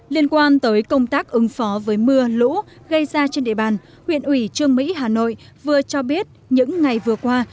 liên quan tới công tác ứng phó với mưa lũ gây ra trên địa bàn huyện ủy trương mỹ hà nội vừa cho biết những ngày vừa qua